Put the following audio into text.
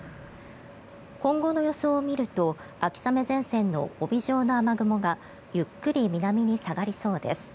今後の予想を見ると秋雨前線の帯状の雨雲がゆっくり南に下がりそうです。